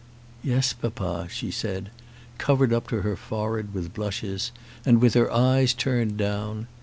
"Yes, papa," she said, covered up to her forehead with blushes, and with her eyes turned down.